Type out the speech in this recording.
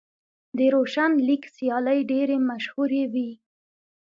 د روشن لیګ سیالۍ ډېرې مشهورې وې.